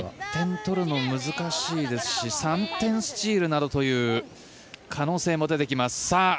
１点取るの難しいですし３点スチールなどという可能性も出てきます。